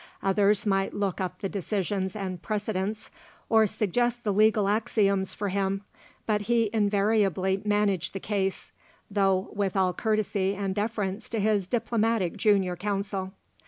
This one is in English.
Others might look up the decisions and precedents, or suggest the legal axioms for him, but he invariably managed the case, though with all courtesy and deference to his diplomatic junior counsel.